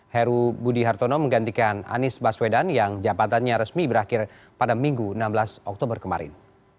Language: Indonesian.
heru budi hartono menggantikan anies baswedan yang jabatannya resmi berakhir pada minggu enam belas oktober kemarin